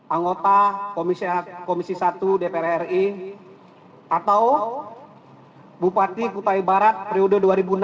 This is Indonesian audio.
anggota komisi satu dpr ri atau bupati kutai barat periode dua ribu enam belas dua ribu dua